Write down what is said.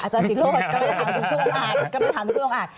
อาจารย์ศิโร่กำลังจะถามคุณองอาจ